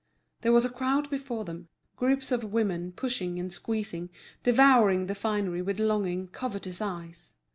There was a crowd before them, groups of women pushing and squeezing, devouring the finery with longing, covetous eyes.